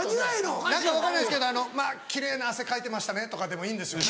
分かないですけど「奇麗な汗かいてましたね」とかでもいいんですよ。